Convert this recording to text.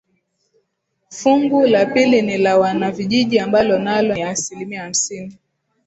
Fungu la pili ni la wanavijiji ambalo nalo ni asilimia hamsini